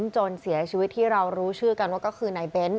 จนเสียชีวิตที่เรารู้ชื่อกันว่าก็คือนายเบ้น